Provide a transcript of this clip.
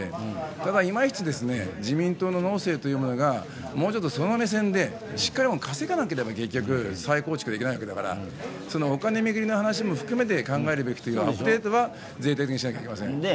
ただいまいち、自民党の農政がもうちょっとその目線でしっかり稼がなければ再構築できないわけだからお金巡りの話も含めて考えるということは、全体的にしなければいけませんよね。